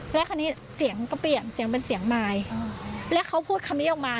แล้วคราวนี้เสียงก็เปลี่ยนเสียงเป็นเสียงมายแล้วเขาพูดคำนี้ออกมา